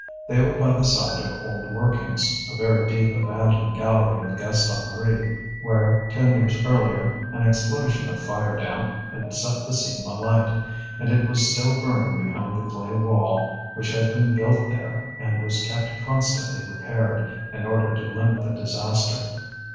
They were by the side of old workings, a very deep abandoned gallery of Gaston Marie, where, ten years earlier, an explosion of fire damp had set the seam alight; and it was still burning behind the clay wall which had been built there and was kept constantly repaired, in order to limit the disaster.